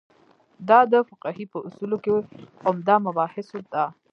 دا د فقهې په اصولو کې عمده مباحثو ده.